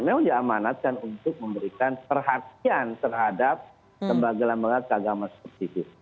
memang diamanatkan untuk memberikan perhatian terhadap kembang gelam gelam keagamaan spesifik